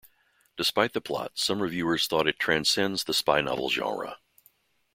Despite the plot, some reviewers thought it transcends the spy novel genre.